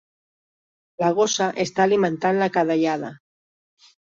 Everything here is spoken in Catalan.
La gossa està alimentant la cadellada.